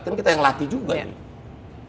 kan kita yang latih juga nih